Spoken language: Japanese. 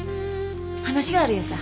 話があるやさ。